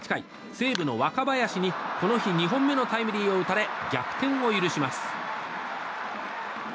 西武の若林に、この日２本目のタイムリーを打たれ逆転を許します。